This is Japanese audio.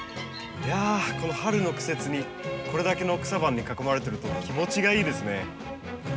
いやこの春の季節にこれだけの草花に囲まれてると気持ちがいいですね。